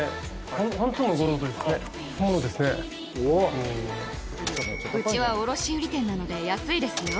うちは卸売店なので安いですよ。